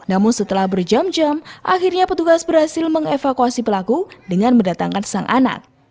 namun setelah berjam jam akhirnya petugas berhasil mengevakuasi pelaku dengan mendatangkan sang anak